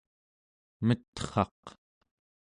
metraq